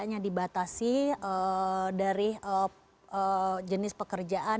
hanya dibatasi dari jenis pekerjaan